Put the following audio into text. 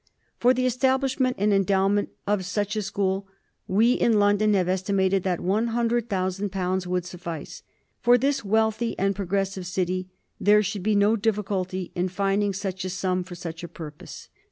For the establishment and endowment of such a school, we in London have estimated that 3^100,000' would suffice. For this wealthy and progressive city,, there should be no difficulty in finding such a sum for such a purpose.